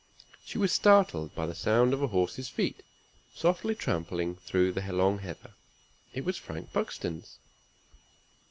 She was startled by the sound of a horse's feet, softly trampling through the long heather. It was Frank Buxton's.